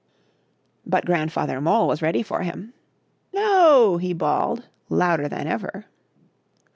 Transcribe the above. But Grandfather Mole was ready for him. ^^ No! T he bawled, louder than ever.